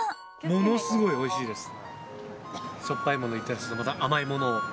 ものすごいおいしいです。